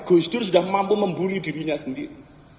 gus dur sudah mampu membuli dirinya sendiri